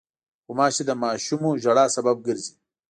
غوماشې د ماشومو ژړا سبب ګرځي.